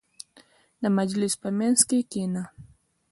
• د مجلس په منځ کې کښېنه.